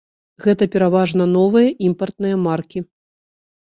Гэта пераважна новыя імпартныя маркі.